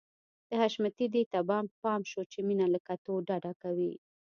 د حشمتي دې ته پام شو چې مينه له کتو ډډه کوي.